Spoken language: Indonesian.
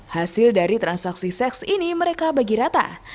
hasil dari transaksi seks ini mereka bagi rata